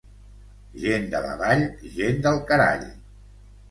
Gent de la Vall, gent del carall.